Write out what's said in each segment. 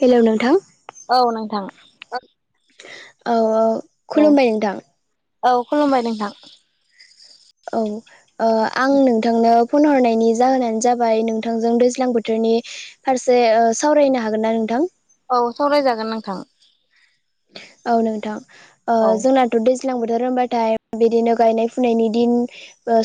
हेल' नोंथां। औ नोंथां। औ औ। औ खुलुमबाय नोंथां औ खुलुमबाय नोंथां। औ आं नोंथांनो। फन हरनायनि जाहोनानो जाबाय नोंथांजों दैज्लां बोथोरनि। फायसे ओ सावरायनो हागोन ना नोंथां। औ सावरायजागोन नोंथां। औ नोंथां औ जोंना। दैज्लां बोथोर होनबाथाय बिदिनो गायनाय फुनायनि दिन।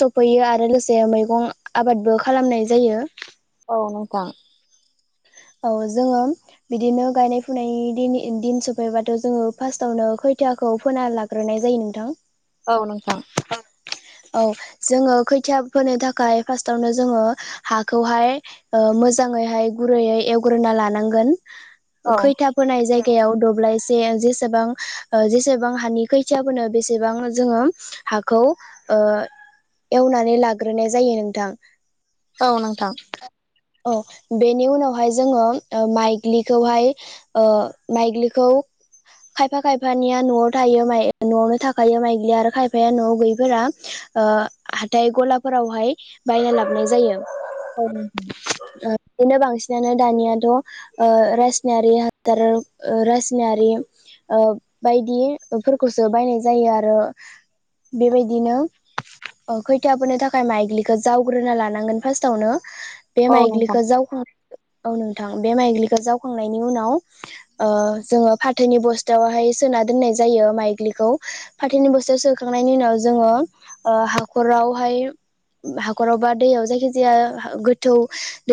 सफैयो आरो लोगोसे मैगं आबादबो खालामनाय जायो। औ नोंथां। औ जोङो। बिदिनो गायनाय फुनायनि दिन दिन सफैबाथ' जोङो फार्स्टावनो खोथियाखौ फोना ला फोरनाय जायो नोंथां। औ नोंथां। [inaudible] औ जोङो खैथिया फोनो थाखाय फार्स्टावनो जोङो हाखौहाय। मोजाङैहाय गुरैयै एवग्रोना लानांगोन औ खैथा फोनाय जायग याव दब्लायसे जेसेबां जेसेबां हानि खैथिया फोनो बेसेबां जोङो। हाखौ एवनानै लाग्रोनाय जायो नोंथां। औ नोंथां। अ बेनि उनाव हाय जोङो ओ माइग्लिखौहाय ओ माइग्लिखौ खायफा खायफानिया न'आव थायो माइ न'आवनो थाखायो माइग्लिया आरो खायफाया न'आव गैयैफोरा ओ हाथाय गलाफोरावहाय बायना लाबोनाय जायो [unintelligible] बेनो बांसिन [unintelligible] दानियाथ' ओ रासनारि हासार रासनारि बायदि फोरखौसो बायनाय जायो आरो। बेबायदिनो। अ खैथि फोरोनो थाखाय माइग्लिखौ जावग्रोना लानांगोन फार्स्टावनो बे औ नोंथां माइग्लिखौ जावखां। औ नोंथां बे माइग्लिखौ जावखांनायनि उनाव जोङो फा थैनि बस्थायावहाय सोना दोननाय जायो माइग्लिखौ। फाथोनि बस्थायाव सोखांनायनि उनाव जोङो ओ हाखरावहाय। हाखराव बा दैयाव जायखि जाया गोथौ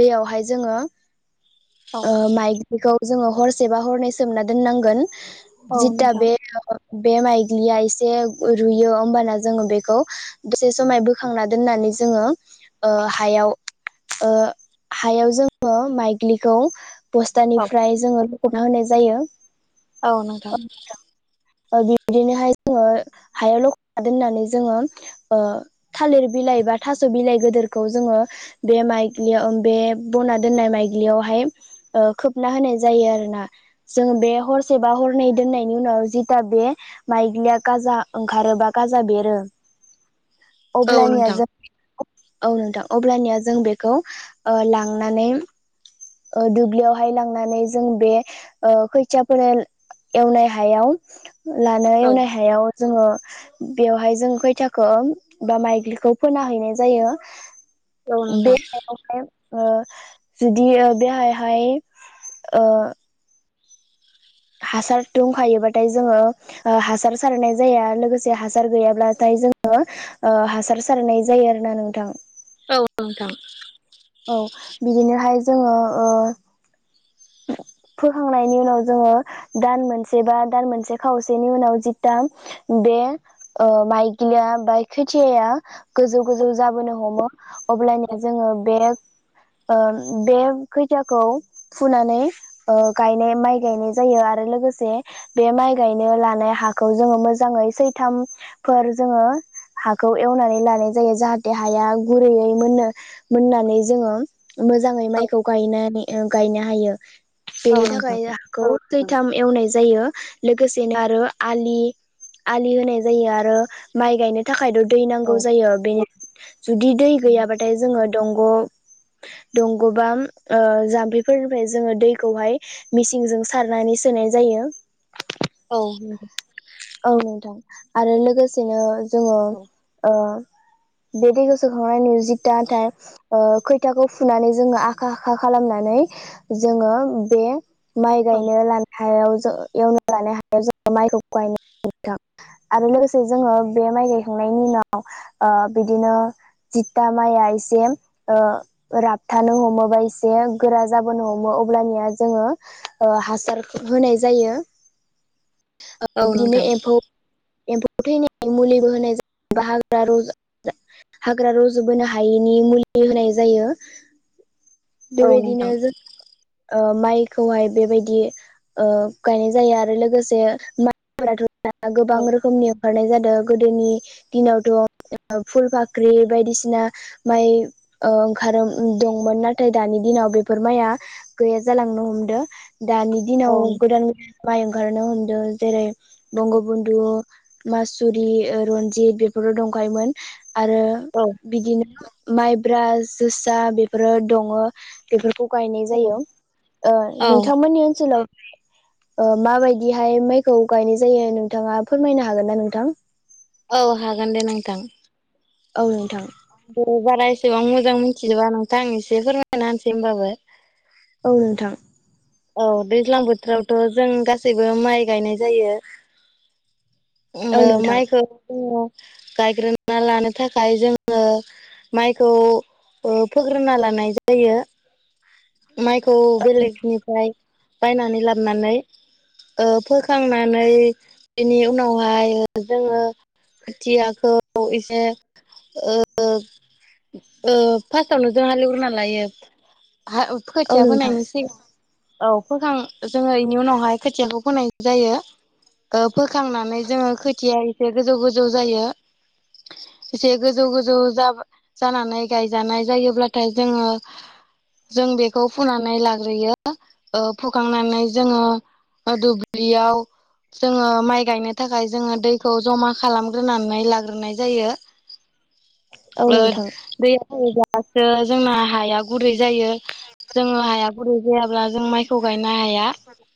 दैयावहाय जोङो। औ ओ माइग्लिखौ जोङो हरसे बा हरनै सोमना दोननांगोन। औ जित्ता नोंथां बे बे माइग्लिया इसे रुयो होमबाना जोङो बेखौ दसे समाय बोखांना दोननानै जोङो ओ हायाव ओ हायाव जों माइग्लिखौ औ बस्तानिफ्राय जोङो बख'ना होनाय जायो। औ नोंथां ओ बिदिनोहाय जोङो हायाव लखबना दोननानै जोङो ओ थालिर बिलाइ बा थास' बिलाइ गोदोरखौ जोङो बे माइग्लि या बे बना दोननाय माइ ग्लियावहाय ओ खोबना होनाय जायो आरोना जों बे हरसे बा हरनै दोननायनि उनाव जिदा बे माइग्लिया गाजा ओंखारोबा गाजा बेरो औ अब्लानिया नोंथां जों औ नोंथां अब्लानिया जों बेखौ ओ लांनानै ओ दुब्लियावहाय लांनानै जों बे ओ खैथियाफोरेल एवनाय हायाव लानो औ एवनाय हायाव जोङो बेवहाय जों खैथाखौ बा माइग्लिखौ फोना हैैनाय जायो। औ बे नोंथां हायावहाय ओ जुदि ओ बेहायहाय ओ हासार दंखायोबाथाय जोङो ओ हासार सारनाय जाया लोगोसे हासार गैयाब्लाथाय जोङो ओ हासार सारनाय जायो आरो ना नोंथां औ नोंथां औ बिदिनोहाय जोङो ओ फोखांनायनि उनाव जोङो दान मोनसे बा दान मोनसे खावसेनि उनाव जिथाम बे ओ माइग्लिया बा खोथियाया गोजौ गोजौ जाबोनो हमो अब्लानो जोङो बे ओ बे खैथिखौ फुनानै ओ गायनाय माइ गायनाय जायो आरो लोगोसे बे माइ गायनो लानाय हाखौ जोङो मोजाङै सैथाम फोर जोङो हाखौ एवनानै लानाय जायो जाहाथे हाया गुरैयै मोननो मोननानै जोङो मोजाङै माइखौ गायनानै ओ गायनो हायो बेनि थाखाय हा खौ सैथाम एवनाय जायो लोगोसेनो आरो आलि आलि होनाय जायो आरो माइ गायनो थाखायथ' दै नांगौ जायो जुदि दै गैयाबा थाय जों दंग दंग बा ओ जामफै फोरनिफ्राय जोङो दैखौहाय मिसिनजों सारनानै सोनाय जायो। औ औ नोंथां आरो लोगोसेनो जोङो ओ बे दैखौ सोखांनायनि उनाव जिता थाय ओ खैथाखौ फुनानै जोङो आखा आखा खालामनानै जोङो बे माइ गायनो लानो हायाव जों एवनो लानाय हायाव जों माइखौ गायनाय जायो नोंथां। आरो लोगोसे जोङो बे माइ गायखांनायनि उनाव ओ बिदिनो जिदता माइआ इसे ओ राबथानो हमो बा इसे गोरा जाबोनो हमो अब्लानिया जोङो ओ हासार होनाय जायो बिनि एम्फौ एम्फौ थैनायनि मुलिबो होनाय जाय बा हाग्रा रज' जा हाग्रा रज' बोनो हायैनि मुलि होनाय जायो बेबायदिनो जों ओ माइखौहाय बेबायदि ओ गायनाय जायो आरो लोगोसे मा [unintelligible] गोबां रोखोमनि गायनाय जादों गोदोनि दिनावथ' फुल फाख्रि बायदिसिना माइ ओंखारो दंमोन नाथाय दानि दिनाव बेफोर माइआ गैया जालांनो हमदों दानि औ दिनाव गोदान गोदान माइ ओंखारनो हमदों जेरै बंग' बन्धु मासुरि रनजित बेफोराव दंखायोमोन आरो बिदिनो माइब्रा जोसा बेफोरो दङ बेफोरखौ गायनाय जायो औ नोंथांमोननि ओनसोलाव माबायदिहाय माइखौ गायनाय जायो नोंथाङा फोरमायनो हागोन ना नोंथां औ हागोन दे नोंथां औ नोंथां आं दे बारा एसेबां मोजां मोनथिजोबा नोंथां आं एसे फोरमायना होनसै होनोमबाबो औ नोंथां औ दैज्लां बोथोरावथ' जों गासैबो माइ गायनाय जायो औ नोंथां माइखौ जोङो गायग्रोना लानो थाखाय जोङो माइखौ फोग्रोनना लानाय जायो माइखौ बेलेगनिफ्राय बायनानै लाबोनानै फोखांनानै बिनि उनावहाय जोङो खोथियाखौ एसे फार्स्टावनो जों हालएवग्रोना लायो औ खोथिया नोंथां फोनायनि सिगां औ फोखां जोङो बेनि उनावहाय खोथियाखौ फोनाय जायो फोखांनानै जोङो खोथिया एसे गोजौ गोजौ जायो एसे गोजौ गोजौ जानानै गायजानाय जायोब्लाथाय जोङो जों बेखौ फुनानै लाग्रोयो फुखांनानै जोङो आ दुब्लियाव जोङो माइ गायनो थाखाय जोङो दैखौ जमा खालामग्रोनानै लाग्रोनाय जायो [inaudible] औ नोंथां दैया फैबासो जोंना हाया गुरै जायो जोङो हाया गुरै जायाब्ला जों माइखौ गायनो हाया [inaudible]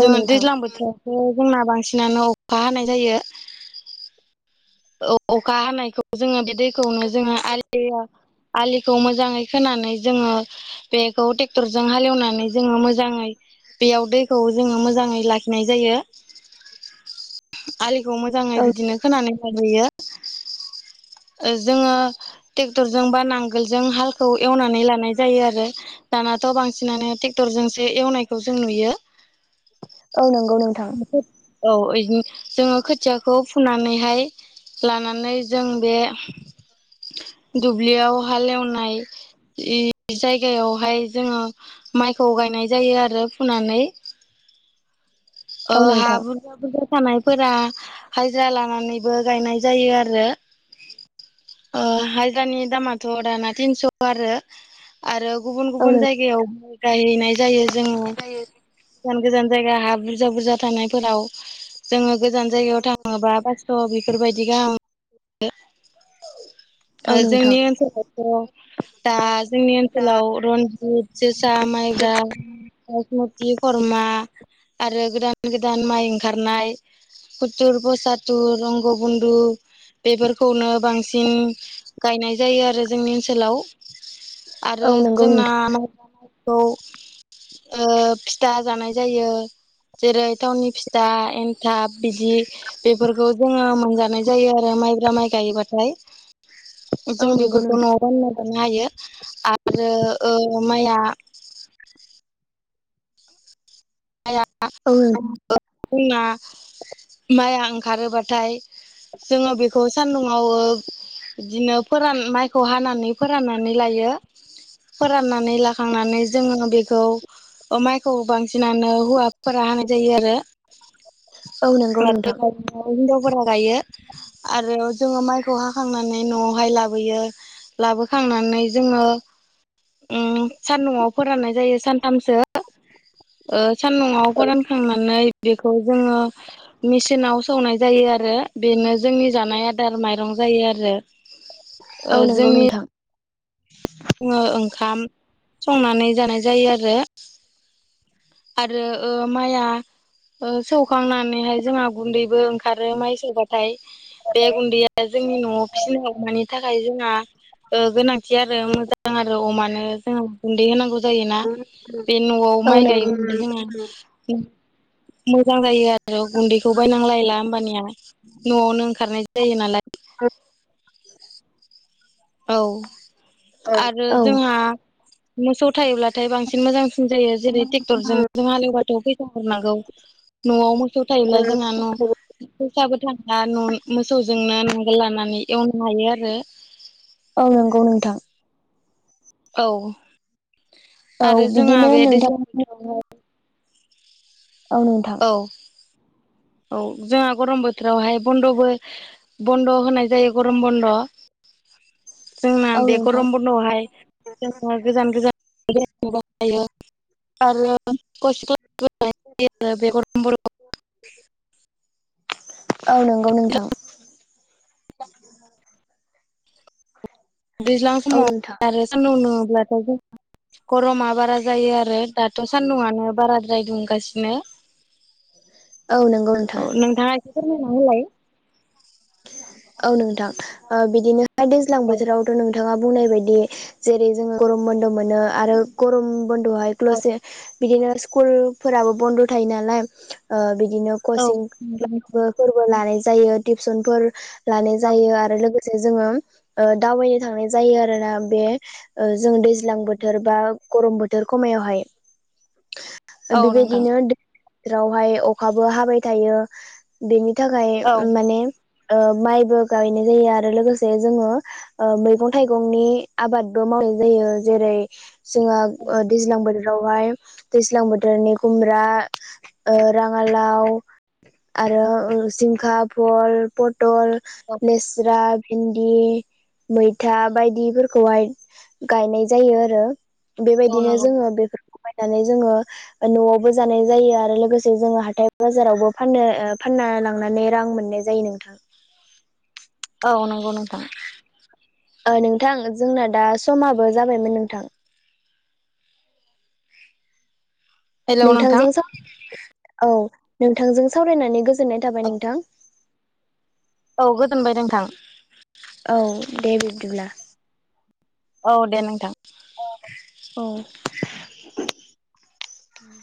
औ नोंथां दैज्लां बोथोरावथ' जोंना बांसिनानो अखा हानाय जायो अखा हानायखौ जोङो बे दैखौनो जोङो बे आलिखौ मोजाङै खोनानै जोङो बेखौ टेक्टरजों हालेवनानै जोङो मोजाङै बेयाव दैखौ जोङो मोजाङै लाखिनाय जायो। आलिखौ मोजाङै औ बिदिनो खोनानै लाग्रोयो जोङो ट्रेक्टरजों बा नांगोलजों हालखौ एवनानै लानाय जायो आरो। दानाथ' बांसिनानो ट्रेक्टरजोंसो एवनायखौ जों नुयो। [inaudible] नोंथां औ इदिनो जोङो खोथियाखौ फुनानैहाय लानानै जों बे दुब्लियाव हालेवनाय जायगायावहाय जोङो माइखौ गायनाय जायो आरो फुनानै। अ औ नोंथां हाब बा बुरजा थानायफोरा हाजिरा लानानैबो गायनाय जायो आरो हाजिरानि दामाथ' दाना थिनस' आरो आरो गुबुन औ गुबुन नों जायगायाव माइ गायहैनाय जायो जोङो गोजान गोजान जायगा हा बुरजा बुरजा थानायफोराव जोङो गोजान जायगायाव थाङोबा पास्स' बेफोरबायदि गाहाम औ जोंनि नोंथां ओनसोलावथ' दा जोंनि ओनसोलाव रनजित जोसा मायब्रा बासमति खरमा आरो गोदान गोदान माइ ओंखारनाय खुथुर फसाथुर रंग' बन्न्दु बेफोरखौनो बांसिन गायनाय जायो आरो जोंनि ओनसोलाव। आरो औ नंगौ जोंना नोंथां मा खौ ओ फिथा जानाय जायो। जेरै -थावनि फिथा एन्थाब बिदि बेफोरखौ जोङो मोनजानाय जायो आरो माइब्रा माइ गायोबाथाय। जों औ नंगौ बेफोरखौ नोंथां न'आव बानायना जानो हायो आरो ओ माइया माइआ औ ओ जोंना माइआ ओंखारोबाथाय जोङो बेखौ सान्दुंङआव ओ बिदिनो फोरान माइखौ हानानै फोराननानै लायो। फोराननानै लाखांनानै जोङो बेखौ ओ माइखौ बांसिन बांसिनानो हौवाफोरा हानाय जायो आरो। औ नंगौ नोंथां हिनजावफोरा गायो आरो जोङो माइखौ हाखांनानै न'आवहाय लाबोयो लाबोखांनानै जोङो उम सानदुआव फोराननाय जायो सानथामसो ओ सानदुंआव फोरानखांनानै बेखौ जोङो मेसिनाव सौनाय जायो आरो बेनो जोंनि जानाय आदार माइरं जायो आरो। औ ओ नंगौ जोंनि नोंथां। जोङो ओंखाम संनानै जानाय जायो आरो। आरो ओ माइआ ओ सौखांनानैहाय जोंहा गुन्दैबो ओंखारो माइ सौबाथाय बे गुन्दैया जोंनि न'आव फिसीनाय अमानि थाखाय जोंहा गोनांथि आरो मोजां आरो अमानो जोंङो गुन्दै होनांगौ जायोना बे न'आव औ माइ नंगौ गायोबथाय नोंथां जोङो मोजां जायो आरो गुन्दैखौ बायनांलायला होमबानिया न'आवनो ओंखारनाय जायो नालाय [inaudible] औ आरो औ जोंहा मोसौ थायोब्लाथाय बांसिन मोजांसिन जायो। जेरै ट्रेक्टरजों जों हालेवबाथ' फैसा हरनांगौ न'आव मोसौ थायोब्ला जोंहा न' फैसाबो थाला न' मोसौजोंनो नांगोलानानै एवनो हायो आरो। औ नंगौ नोंथां औ औ आरो जोंहा बिदिनो बे नोंथां दैज्लां बोथोरावहाय औ औ जोंहा गरम बोथोरावहाय बन्दबो बन्द' होनाय जायो गरम बन्द'। जोंना औ बे नोंथां गरम बन्द'आवहाय जों गोजान गोजान जायो आरो बे गरम बन्द'आव औ नंगौ नोंथां। दैज्लां औ नोंथां समाव आरो सानदुं दुंङोब्लाथ' जोंहा गरमा बारा जायो आरो दाथ' सान्दुआनो बाराद्राय दुंगासिनो। [inaudible] नोंथां औ नोंथाङा एसे फोरमायना होलाय। औ नोंथां बिदिनोहाय दैज्लां औ बोथोरावथ' नोंथ नोंथाङा बुंनाय बायदि जेरै जोङो गरम बन्द' मोनो आरो गरम औ बन्द'हाय बिदिनो स्कुलफोराबो बन्द' थायो नालाय ओ बिदिनो औ कचिं नंगौ फोरबो लानाय जायो टिउसनफोर लानाय नोंथां जायो। आरो लोगोसे लोगोसे जोङो ओ दावबायनो थांनाय जायो आरोना बे जों दैज्लां बोथोर बा गरम बोथोर खमायावहाय औ नोंथां बेबायदिनो बोथोरावहाय अखाबो हाबाय थायो बेनि थाखाय माने माइबो गायनाय जायो आरो लोगोसे जोङो ओ मैगं थाइगंनि आबादबो मावनाय जायो जेरै- जोंङो ओ दैज्लां बोथोरावहाय दैज्लां बोथोरनि खुमब्रा राङालाव आरो सजिंखा भल पटल औ लेस जिरा भिन्दि मैथा बायदिफोरखौहाय गायनाय जायो आरो औ बेबायदिनो नंगौ जोङो बेफोरखौ बायनानै जोङो न'आवबो जानाय जायो आरो लोगोसे जोङो हाथथाय बाजारावबो फाननो फाननो लांनानै रां मोननाय जायो। जायो नोंथां। औ नंगौ नोंथां। नोंथां जोंना दा समाबो जाबायमोन नोंथां। हेलौ नोंथां नोंथांजों औ नोंथांजों सावरायनानै गोजोननाय थाबाय नोंथां। औ गोजोनबाय नोंथां। औ दे बिब्दिब्ला। औ दे नोंथां। औ उम